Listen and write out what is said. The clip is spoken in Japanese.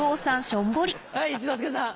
はい一之輔さん。